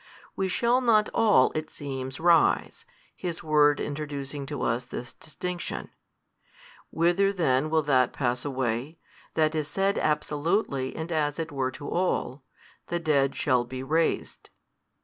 We shall not all, it seems, rise; his word introducing to us this distinction. Whither then will that pass away, that is said absolutely and as it were to all, The dead shall be raised?